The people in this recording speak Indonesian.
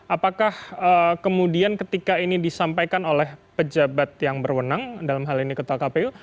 apakah kemudian ketika ini disampaikan oleh pejabat yang berwenang dalam hal ini ketua kpu